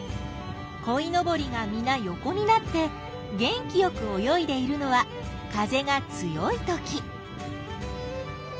こいのぼりがみな横になって元気よく泳いでいるのは風が強いとき。